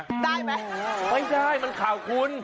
ได้ไหมไม่ได้มันข่าวคุณ